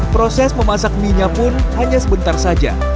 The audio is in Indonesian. proses memasak mienya pun hanya sebentar saja